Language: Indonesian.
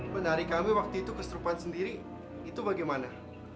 penari kami waktu itu kesurupan sendiri itu bagaimana